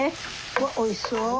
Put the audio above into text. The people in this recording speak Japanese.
うわっおいしそう！